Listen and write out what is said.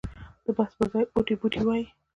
د بحث پر ځای اوتې بوتې ووایي.